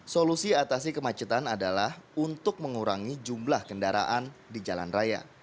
solusi atasi kemacetan adalah untuk mengurangi jumlah kendaraan di jalan raya